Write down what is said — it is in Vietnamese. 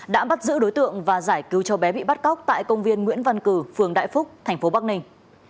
đã bắt giữ đối tượng và giải cứu cho bé bị bắt cóc tại công viên nguyễn văn cử phường đại phúc thành phố bắc ninh